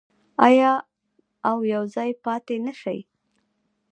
آیا او یوځای پاتې نشي؟